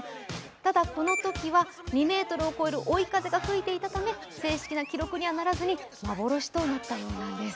ただ、このときは２ｍを超える追い風が吹いていたため、正式な記録にはならずに幻となったんです。